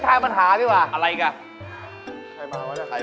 ใครไปสร้างยูวมาเล่นไหมเนี่ย